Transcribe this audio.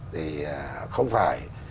thì không phải